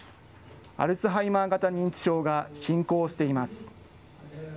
アルツハイマー型認知症が進行しています。